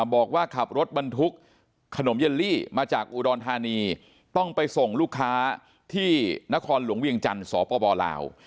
บอกว่าขับรถบรรทุกขนมเย็นลี่มาจากอุดรธานีต้องไปส่งลูกค้าที่นครหลวงเวียงจันทร์สปลาว